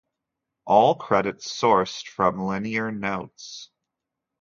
All credits sourced from liner notes.